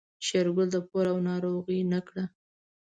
شېرګل د پور او ناروغۍ نه کړه.